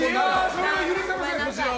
それは許せません。